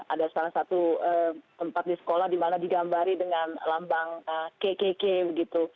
ada salah satu tempat di sekolah di mana digambari dengan lambang kk begitu